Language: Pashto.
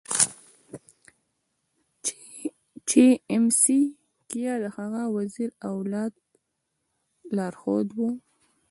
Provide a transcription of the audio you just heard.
چാണکیا د هغه وزیر او لارښود و.